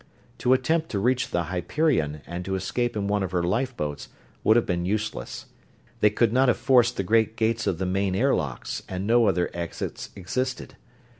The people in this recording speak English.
To attempt to reach the Hyperion and to escape in one of her lifeboats would have been useless; they could not have forced the great gates of the main air locks and no other exits existed.